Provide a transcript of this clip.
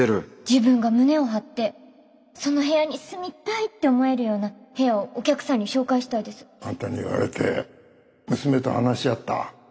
自分が胸を張ってその部屋に住みたいって思えるような部屋をお客さんに紹介したいですあんたに言われて娘と話し合った。